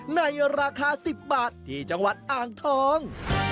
ในราคา๑๐บาทที่จังหวัดอ่างทอง